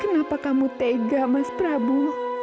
kenapa kamu tega mas prabu